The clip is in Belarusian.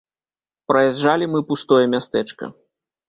Праязджалі мы пустое мястэчка.